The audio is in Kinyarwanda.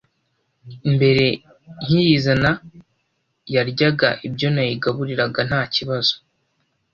Mbere nkiyizana yaryaga ibyo nayigaburiraga nta kibazo